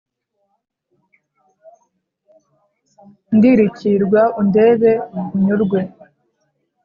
Ndirikirwa undebe unyurwe,